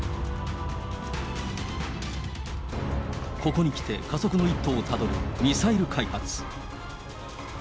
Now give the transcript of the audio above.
ここにきて加速の一途をたどるミサイル開発。